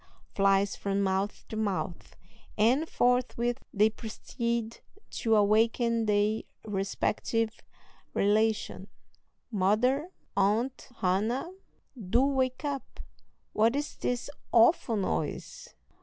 flies from mouth to mouth; and forthwith they proceed to awaken their respective relations. "Mother! Aunt Hannah! do wake up; what is this awful noise?"